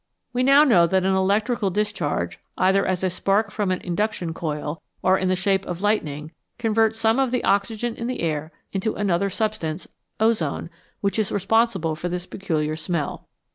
We now know that an electrical discharge, either as a spark from an induction coil, or in the shape of lightning, converts some of the oxygen in the air into another substance, ozone, which is responsible for this peculiar smell.